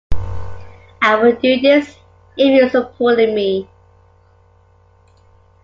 I will do this if you supported me.